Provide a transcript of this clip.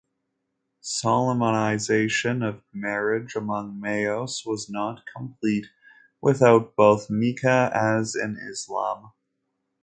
Solemnization of marriage among Meos was not complete without both Nikah as in Islam.